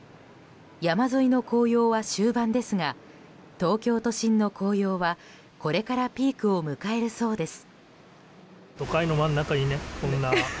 山沿いの紅葉は終盤ですが東京都心の紅葉は、これからピークを迎えるそうです。